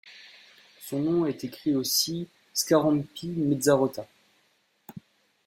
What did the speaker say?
Son nom est écrit aussi Scarampi-Mezzarota.